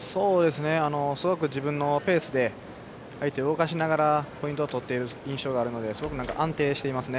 すごく自分のペースで相手を動かしながらポイントを取っている印象があるのですごく安定していますね。